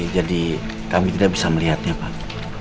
jadi kami tidak bisa melihatnya pak